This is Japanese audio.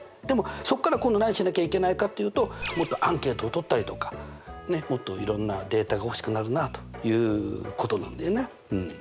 でもそこから今度何をしなきゃいけないかというともっとアンケートを取ったりとかもっといろんなデータが欲しくなるなということなんだよね。